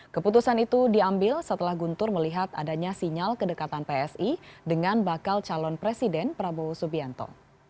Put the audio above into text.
keputusan itu diambil setelah guntur melihat adanya sinyal kedekatan psi dengan bakal calon presiden prabowo subianto